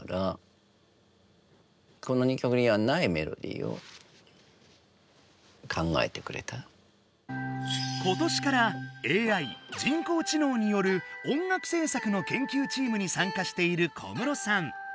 それで今年からＡＩ人工知のうによる音楽せい作の研究チームに参加している小室さん。